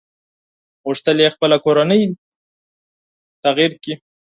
غوښتل يې خپله کورنۍ تغيير کړي.